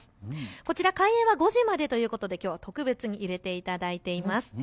こちら開園は５時までということできょうは特別に入れていただいています。